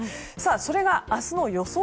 それが明日の予想